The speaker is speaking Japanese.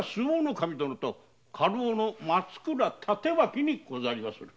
守殿と家老の松倉帯刀にござりまする。